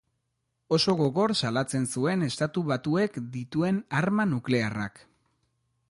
Oso gogor salatzen zuen Estatu Batuek dituen arma nuklearrak.